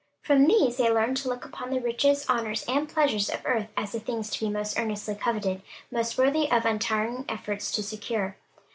From these, they learned to look upon the riches, honors and pleasures of earth as the things to be most earnestly coveted, most worthy of untiring efforts to secure.